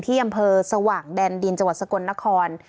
ที่อำเภอสว่างแดนดินจังหวัดสกลนคร